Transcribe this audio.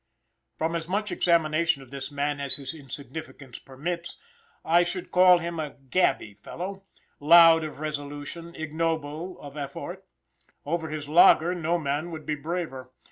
From as much examination of this man as his insignificance permits, I should call him a "gabby" fellow loud of resolution, ignoble of effort. Over his lager no man would be braver.